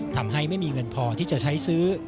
ทำให้ไม่มีเงินพอที่จะใช้ซื้อ